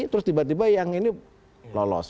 terus tiba tiba yang ini lolos